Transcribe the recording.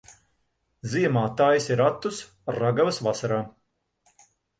Ziemā taisi ratus, ragavas vasarā.